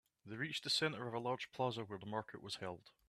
They reached the center of a large plaza where the market was held.